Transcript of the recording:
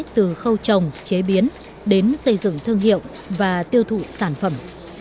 từ khâu trồng chế biến đến xây dựng thương hiệu và tiêu thụ sản phẩm